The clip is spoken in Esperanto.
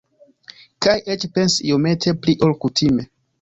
Kaj eĉ pensi iomete pli ol kutime.